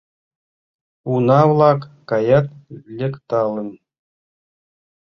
Уна-влак каят лекталын.